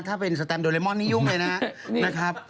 ถ้าเป็นสแตมโดเรมอนนี่ยุ่งเลยนะครับ